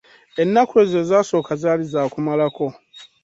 Ennaku ezo ezaasooka zaali za kumulako.